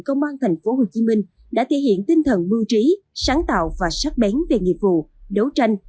công an thành phố hồ chí minh đã thể hiện tinh thần mưu trí sáng tạo và sát bén về nghiệp vụ đấu tranh